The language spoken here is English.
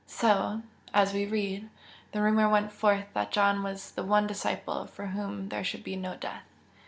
So as we read the rumour went forth that John was the one disciple for whom there should be no death.